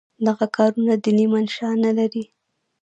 دغه کارونه دیني منشأ نه لري.